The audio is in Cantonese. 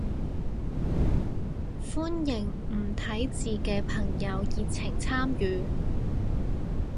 歡迎唔睇字嘅朋友熱情參與